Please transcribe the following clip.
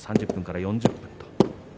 ３０分から４０分と。